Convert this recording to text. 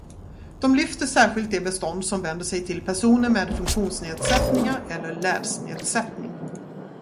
De lyfter särskilt det bestånd som vänder sig till personer med funktionsnedsättningar eller läsnedsättning.